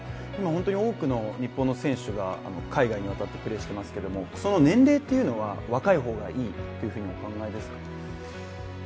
多くの日本の選手が海外に渡ってプレーしていますけど、年齢は若い方がいいってお考えですか？